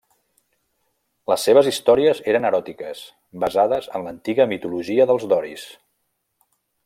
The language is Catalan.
Les seves històries eren eròtiques, basades en l'antiga mitologia dels doris.